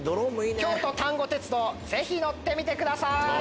京都丹後鉄道ぜひ乗ってみてください！